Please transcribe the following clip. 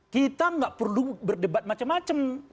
kita nggak perlu berdebat macam macam